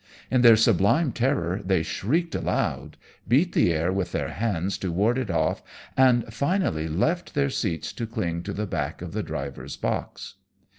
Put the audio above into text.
In their sublime terror they shrieked aloud, beat the air with their hands to ward it off, and finally left their seats to cling on to the back of the driver's box.